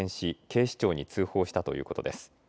警視庁に通報したということです。